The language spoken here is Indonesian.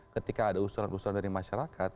ketika ada usulan usulan dari masyarakat